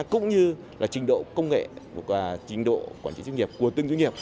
cũng như là trình độ công nghệ và trình độ quản trị doanh nghiệp của từng doanh nghiệp